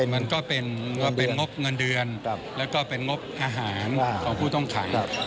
มันก็เป็นงบเงินเดือนแล้วก็เป็นงบอาหารของผู้ต้องขัง